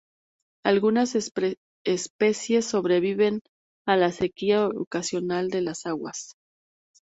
Algunas especies sobreviven a la sequía ocasional de las aguas.